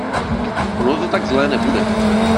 Ono to tak zlé nebude.